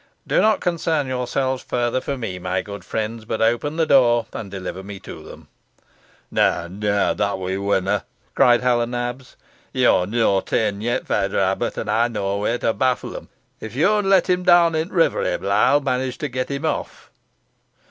"Do not concern yourselves further for me, my good friends, but open the door, and deliver me to them." "Nah, nah, that we winnaw," cried Hal o' Nabs, "yo're neaw taen yet, feyther abbut, an' ey knoa a way to baffle 'em. If y'on let him down into t' river, Ebil, ey'n manage to get him off."